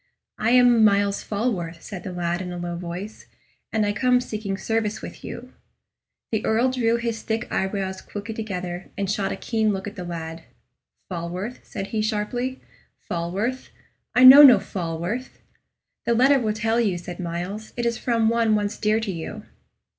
"I am Myles Falworth," said the lad, in a low voice; "and I come seeking service with you." The Earl drew his thick eyebrows quickly together, and shot a keen look at the lad. "Falworth?" said he, sharply "Falworth? I know no Falworth!" "The letter will tell you," said Myles. "It is from one once dear to you."